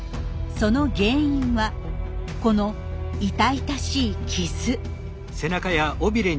その原因はこの痛々しい傷。